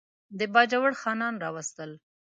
د باجوړ خانان راوستل.